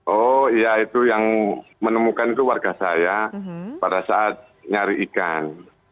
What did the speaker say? oh iya itu yang menemukan keluarga saya pada saat nyari ikan